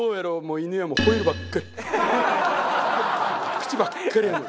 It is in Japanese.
「口ばっかりやろ」。